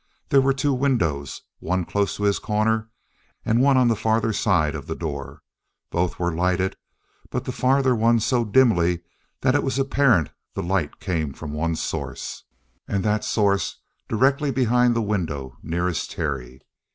There were two windows, one close to his corner and one on the farther side of the door. Both were lighted, but the farther one so dimly that it was apparent the light came from one source, and that source directly behind the window nearest Terry.